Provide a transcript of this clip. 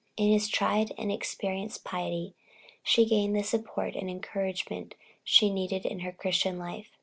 In his tried and experienced piety, she gained the support and encouragement she needed in her Christian life.